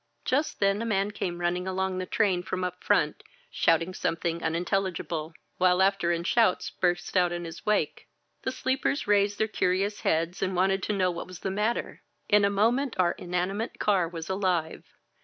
Just then a man came running along the train from up front, shouting something unintelligible, while laughter and shouts burst out in his wake. The sleepers raised their curious heads and wanted to know what was the matter. In a moment our inanimate car was alive.